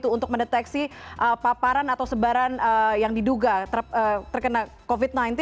untuk mendeteksi paparan atau sebaran yang diduga terkena covid sembilan belas